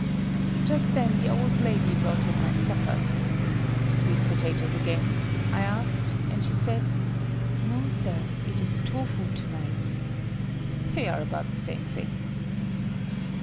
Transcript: Just then the old lady brought in my supper—"Sweet potatoes again?" I asked, and she said, "No, Sir, it is tofu to night." They are about the same thing.